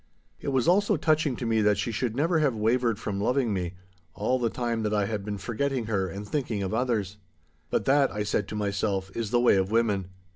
It was also touching to me that she should never have wavered from loving me, all the time that I had been forgetting her and thinking of others. But that, I said to myself, is the way of women.